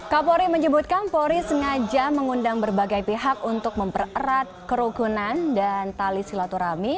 kapolri menyebutkan polri sengaja mengundang berbagai pihak untuk mempererat kerukunan dan tali silaturahmi